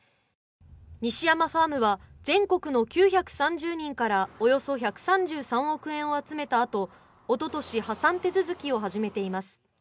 西山ファームは全国の９３０人からおよそ１３３億円を集めたあと、おととし破産手続きを始めています。